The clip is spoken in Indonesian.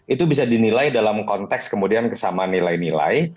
itu bisa dinilai dalam konteks kemudian kesamaan nilai nilai